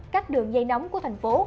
các đường dây nóng của thành phố